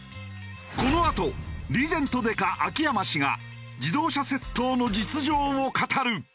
このあとリーゼント刑事秋山氏が自動車窃盗の実情を語る。